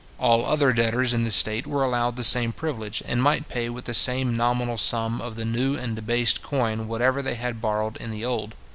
All other debtors in the state were allowed the same privilege, and might pay with the same nominal sum of the new and debased coin whatever they had borrowed in the old.